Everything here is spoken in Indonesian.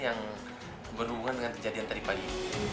yang berhubungan dengan kejadian tadi pagi